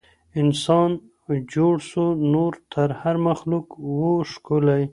انسان جوړ سو نور تر هر مخلوق وو ښکلی